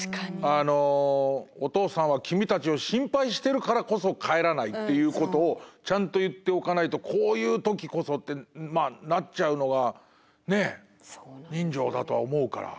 あのお父さんは君たちを心配してるからこそ帰らないっていうことをちゃんと言っておかないとこういう時こそってまあなっちゃうのがねえ人情だとは思うから。